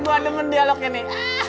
gue ada nge dialognya nih